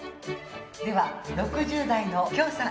では６０代の許さん。